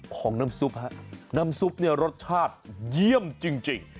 ของน้ำซุปฮะน้ำซุปเนี่ยรสชาติเยี่ยมจริง